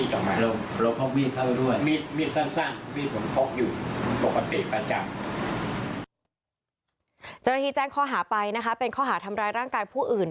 แจ้งข้อหาไปนะคะเป็นข้อหาทำร้ายร่างกายผู้อื่น